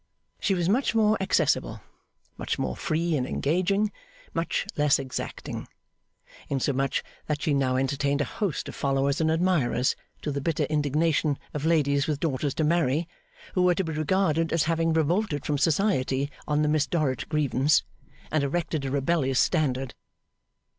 She was much more accessible, much more free and engaging, much less exacting; insomuch that she now entertained a host of followers and admirers, to the bitter indignation of ladies with daughters to marry, who were to be regarded as Having revolted from Society on the Miss Dorrit grievance, and erected a rebellious standard.